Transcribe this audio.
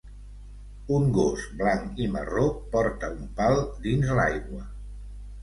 Un gos blanc i marró porta un pal dins l'aigua.